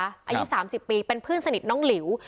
อายุ๓๐ปีเป็นเพื่อนสนิทน้องหลิว